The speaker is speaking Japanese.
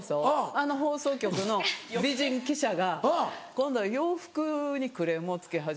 あの放送局の美人記者が今度は洋服にクレームをつけ始めて。